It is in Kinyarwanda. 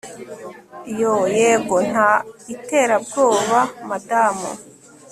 Yoo yego nta iterabwoba madamu